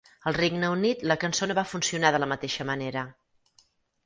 Al Regne Unit la cançó no va funcionar de la mateixa manera.